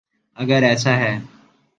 اگر ایسا ہے۔